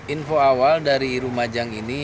info awal dari lumajang ini